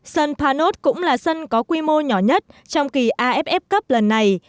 sân panos cũng là sân có quy mô nhỏ nhất trong kỳ aff cup lần này